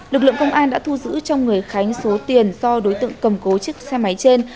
lực lượng công an đã thu giữ trong người khánh số tiền do đối tượng cầm cố chiếc xe máy trên